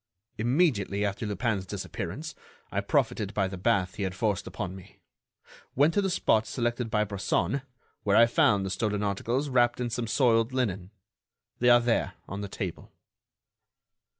"Immediately after Lupin's disappearance, I profited by the bath he had forced upon me, went to the spot selected by Bresson, where I found the stolen articles wrapped in some soiled linen. They are there, on the table."